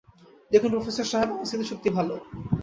দেখুন প্রফেসর সাহেব, আমার স্মৃতিশক্তি ভালো।